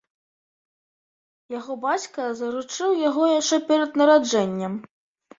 Яго бацька заручыў яго яшчэ перад нараджэннем.